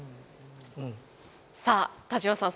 さあ田島さん